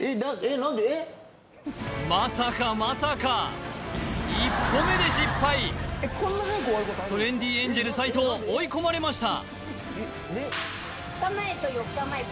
まさかまさかトレンディエンジェル斎藤追い込まれました